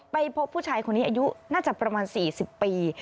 ไปพบผู้ชายคนนี้อายุน่าจะประมาณ๔๐ปี